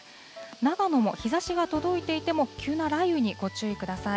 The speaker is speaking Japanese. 長野も、日ざしが届いていても、急な雷雨にご注意ください。